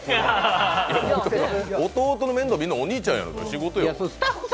弟の面倒見るのはお兄ちゃんの仕事よ。